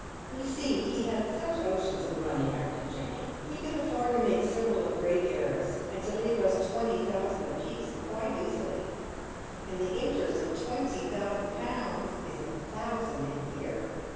" You see he had such oceans of money," argues Jenny. " He could afford to make Sib}^ a great heiress, and to leave us twenty thousand apiece quite easily. And the interest of twenty thousand pounds is a thousand a year.